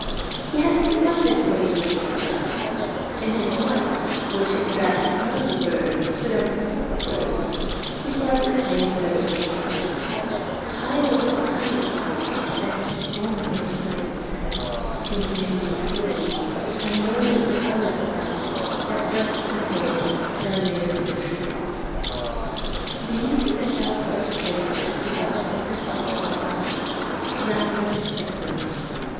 He has a splendid way with his sky. In his flight, which is that, not of a bird, but of a flock of birds, he flies high and low at once: high with his higher clouds, that keep long in the sight of man, seeming to move slowly; and low with the coloured clouds that breast the hills and are near to the tree tops. These the south west wind tosses up from his soft horizon, round and successive.